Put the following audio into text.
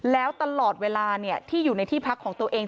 แล้วตลอดเวลาที่อยู่ในที่พักของตัวเอง